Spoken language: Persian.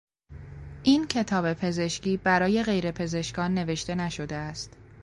این کتاب پزشکی برای غیر پزشکان نوشته نشده است.